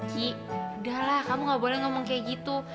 gitu udah lah kamu nggak boleh ngomong kayak gitu